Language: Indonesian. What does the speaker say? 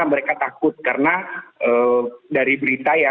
mereka takut karena dari berita ya